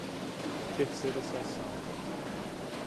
Terceira seção